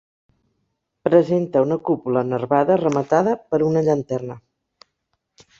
Presenta una cúpula nervada rematada per una llanterna.